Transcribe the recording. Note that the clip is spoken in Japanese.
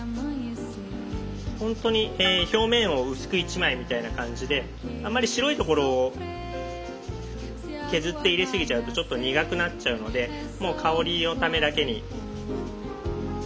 ほんとに表面を薄く１枚みたいな感じであんまり白いところを削って入れすぎちゃうとちょっと苦くなっちゃうのでもう香りのためだけに。